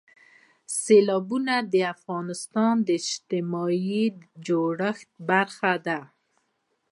سیلابونه د افغانستان د اجتماعي جوړښت برخه ده.